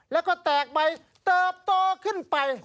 แล้วก็แตกใบเติบโตขึ้นไป